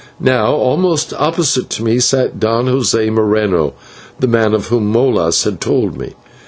Now almost opposite to me sat Don José Moreno, that man of whom Molas had told me.